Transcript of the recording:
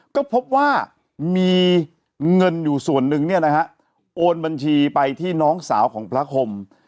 ก็พบว่ามีเงินอยู่ส่วนหนึ่งโอนบัญชีไปที่น้องสาวของพระคม